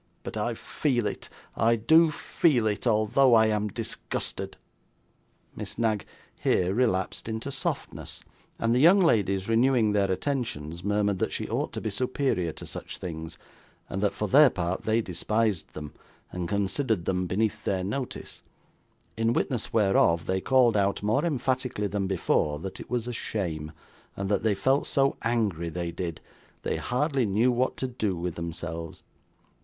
But I feel it, I do feel it, although I am disgusted.' Miss Knag here relapsed into softness, and the young ladies renewing their attentions, murmured that she ought to be superior to such things, and that for their part they despised them, and considered them beneath their notice; in witness whereof, they called out, more emphatically than before, that it was a shame, and that they felt so angry, they did, they hardly knew what to do with themselves.